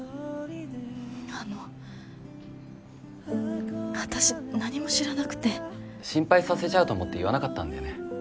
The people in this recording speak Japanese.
あの私何も知らなくて心配させちゃうと思って言わなかったんだよね